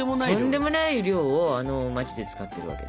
とんでもない量をあの街で使っているわけですね。